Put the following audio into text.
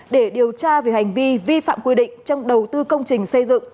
để điều tra về hành vi vi phạm quy định trong đầu tư công trình xây dựng